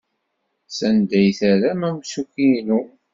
Sanda ay terram amsukki-inu?